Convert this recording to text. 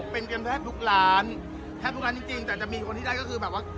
เป็นกันแทบทุกร้านแทบทุกร้านจริงแต่จะมีคนที่ได้ก็คือแบบว่า